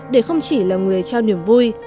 để không chỉ là người trao niềm vui